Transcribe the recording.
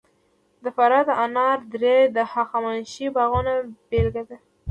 د فراه د انار درې د هخامنشي باغونو بېلګه ده